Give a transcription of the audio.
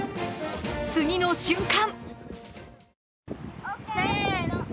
次の瞬間。